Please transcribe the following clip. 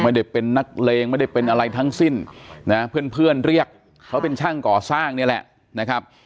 ไม่ได้เป็นนักเลงไม่ได้เป็นอะไรทั้งสิ้นนะเพื่อนเรียกเขาเป็นช่างก่อสร้างนี่แหละนะครับ